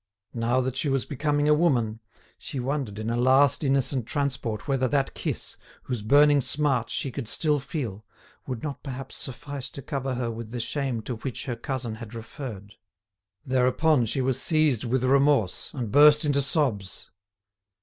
Now that she was becoming a woman, she wondered in a last innocent transport whether that kiss, whose burning smart she could still feel, would not perhaps suffice to cover her with the shame to which her cousin had referred. Thereupon she was seized with remorse, and burst into sobs.